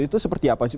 itu seperti apa sih